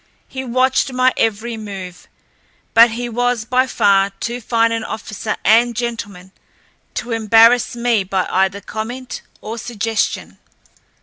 He watched my every move, but he was by far too fine an officer and gentleman to embarrass me by either comment or suggestion.